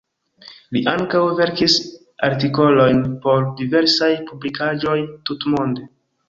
Li ankaŭ verkis artikolojn por diversaj publikaĵoj tutmonde.